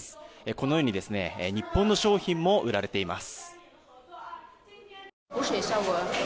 このように日本の商品も売られています。